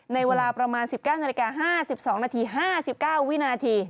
ในเวลาประมาณ๑๙นาฬิกา๕๒นาที๕๙วินาที